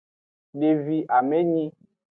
Devi amenyi.